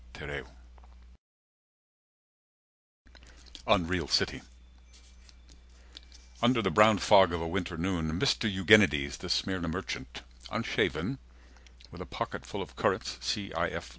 Tereu Unreal City Under the brown fog of a winter noon Mr. Eugenides, the Smyrna merchant Unshaven, with a pocket full of currants 210 C.i.f.